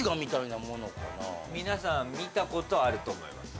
皆さん見たことあると思います